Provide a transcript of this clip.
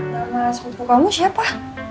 nama sepupu kamu siapa